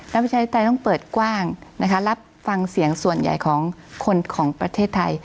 แล้วประชาธิปไตยต้องเปิดกว้างนะคะรับฟังเสียงส่วนใหญ่ของคนของประเทศไทย